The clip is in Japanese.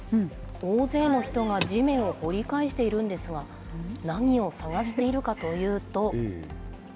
大勢の人が地面を掘り返しているんですが、何を探しているかというと。